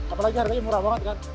apalagi hari tadi murah banget kan